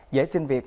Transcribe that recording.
giải sinh việc